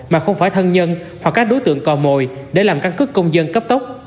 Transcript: mà không phải thân nhân hoặc các đối tượng cò mồi để làm căn cứ công dân cấp tốc